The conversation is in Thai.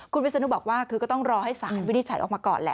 คุณวิศนุบอกว่าคือก็ต้องรอให้สารวินิจฉัยออกมาก่อนแหละ